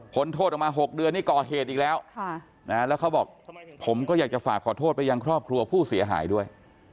โทษออกมา๖เดือนนี่ก่อเหตุอีกแล้วแล้วเขาบอกผมก็อยากจะฝากขอโทษไปยังครอบครัวผู้เสียหายด้วย